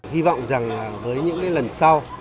hy vọng rằng với những lần sau